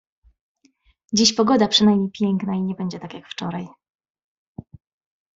Dziś pogoda przynajmniej piękna i nie będzie tak, jak wczoraj.